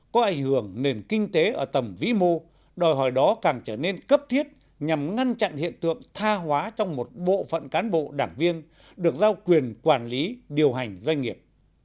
có ảnh hưởng nền kinh tế ở tầm vĩ mô đòi hỏi đó càng trở nên cấp thiết nhằm ngăn chặn hiện tượng tha hóa trong một bộ phận cán bộ đảng viên được giao quyền quản lý điều hành doanh nghiệp